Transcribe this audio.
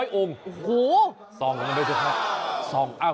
ส่องดูด้วยด้วยค่ะ